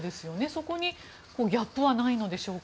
そこにギャップはないのでしょうか？